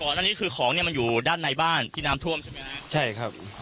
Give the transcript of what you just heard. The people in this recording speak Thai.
อันนี้คือของเนี้ยมันอยู่ด้านในบ้านที่น้ำท่วมใช่ไหมฮะใช่ครับ